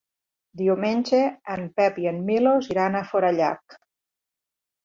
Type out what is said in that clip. Diumenge en Pep i en Milos iran a Forallac.